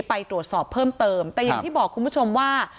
ไปตรวจสอบเพิ่มเติมแต่อย่างที่บอกคุณผู้ชมว่า